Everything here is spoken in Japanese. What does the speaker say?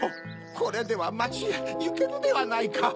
これではまちへゆけぬではないか。